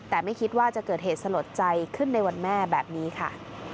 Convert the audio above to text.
แต่ไม่คิดว่าจะเกิดเหตุสลดใจขึ้นในวันแม่แบบนี้ค่ะ